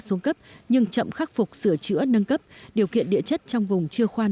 xuống cấp nhưng chậm khắc phục sửa chữa nâng cấp điều kiện địa chất trong vùng chưa khoan